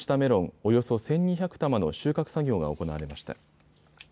およそ１２００玉の収穫作業が行われました。